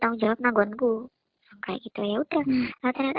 ayo pengen tau nomornya